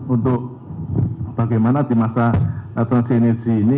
untuk bagaimana di masa transisi ini